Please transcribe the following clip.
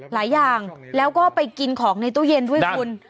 หลายอย่างแล้วก็ไปกินของในตู้เย็นด้วยคุณ